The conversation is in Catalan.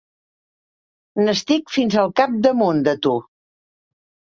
N'estic fins al capdamunt, de tu!